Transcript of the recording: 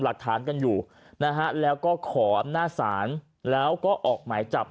หลักฐานกันอยู่นะฮะแล้วก็ขออำนาจศาลแล้วก็ออกหมายจับ